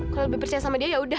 kalau lebih percaya sama dia yaudah